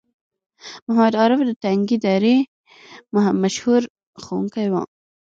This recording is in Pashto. محمد عارف د تنگي درې مشهور ښوونکی وو